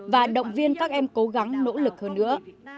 và động viên các em cố gắng nỗ lực hơn nữa